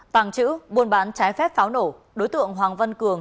tàng trữ buôn bán trái phép pháo nổ đối tượng hoàng văn cường